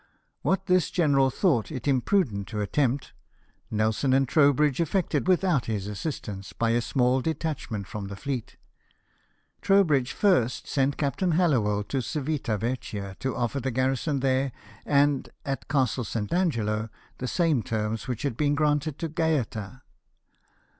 What this general thought it imprudent to attempt, Nelson and Trowbridge effected without his assistance by a small detachment from the fleet. Trowbridge first sent Captain Hallowell to Civita Vecchia, to offer the garrison there and at Castle St. Angelo, the same terms which had been granted to Gaeta.